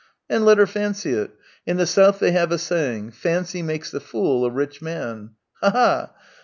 And let her fancy it. In the South they have a saying: ' Fancy makes the fool a rich man.' Ha, ha, ha